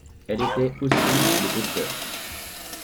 Elle était aussi le Dr.